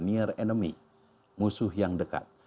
near enemy musuh yang dekat